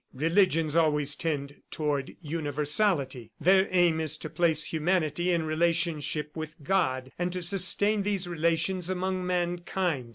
Religions always tend toward universality. Their aim is to place humanity in relationship with God, and to sustain these relations among mankind.